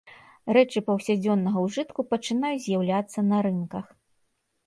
Рэчы паўсядзённага ўжытку пачынаюць з'яўляцца на рынках.